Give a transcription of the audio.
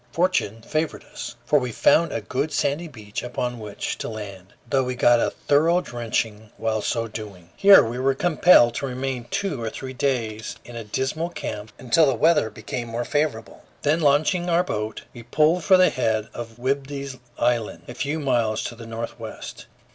Fortune favored us, for we found a good sandy beach upon which to land, though we got a thorough drenching while so doing. [Illustration: Brown Bros. A rich haul of salmon.] Here we were compelled to remain two or three days in a dismal camp, until the weather became more favorable. Then launching our boat, we pulled for the head of Whidbey's Island, a few miles to the northwest.